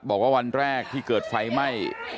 บอกว่าวันแรกที่เกิดไฟไหม้